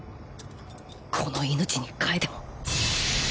この命に代えても